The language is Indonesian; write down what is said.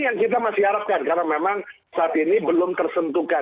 yang kita masih harapkan karena memang saat ini belum tersentuhkan